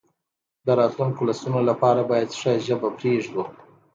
د راتلونکو نسلونو لپاره باید ښه ژبه پریږدو.